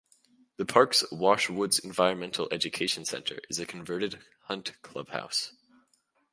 The park's Wash Woods Environmental Education Center is a converted hunt clubhouse.